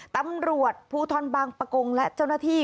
ตำรวจภูทรบางประกงและเจ้าหน้าที่